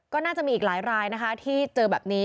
ก็น่าจะมีอีกหลายที่เจอแบบนี้